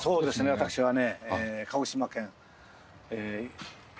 私はね。